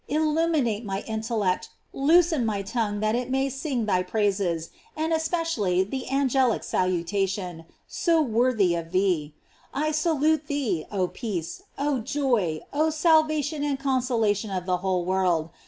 illuminate my intellect, loos en my tongue that it may sing thy praises, and especially the Angelic Salutation, so worthy of thee. I salute thee, oh peace! oh joy! oh salva tion and consolation of the whole world!